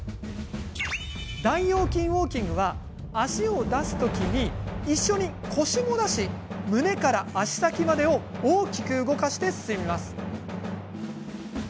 大腰筋ウォーキングは足を出す時に一緒に腰も出し胸から足先までを大きく動かして進みます。